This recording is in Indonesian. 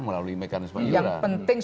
melalui mekanisme iuran yang penting